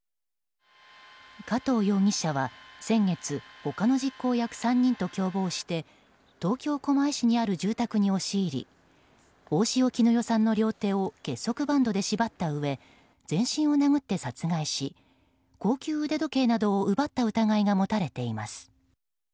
加藤容疑者は、先月他の実行役３人と共謀して東京・狛江市にある住宅に押し入り大塩衣与さんの両手を結束バンドで縛ったうえ全身を殴って殺害し高級腕時計などを奪った疑いが持たれています。